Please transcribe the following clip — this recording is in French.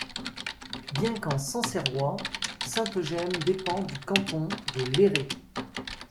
Bien qu'en Sancerrois, Sainte-Gemme dépend du canton de Léré.